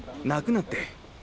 泣くなって。